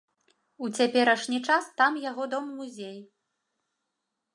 У цяперашні час там яго дом-музей.